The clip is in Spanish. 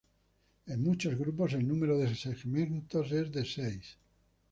En muchos grupos el número de segmentos es de seis.